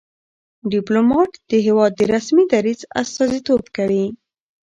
ډيپلومات د هېواد د رسمي دریځ استازیتوب کوي.